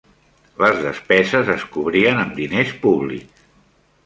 Les despeses es cobrien amb diners públics.